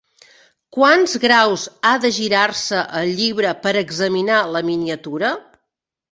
Quants graus ha de girar-se el llibre per examinar la miniatura?